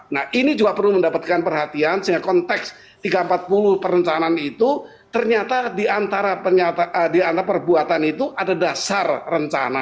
nah ini juga perlu mendapatkan perhatian sehingga konteks tiga ratus empat puluh perencanaan itu ternyata di antara perbuatan itu ada dasar rencana